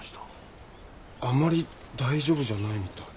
あんまり大丈夫じゃないみたい。